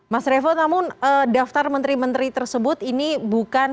mas revo namun daftar menteri menteri tersebut ini bukan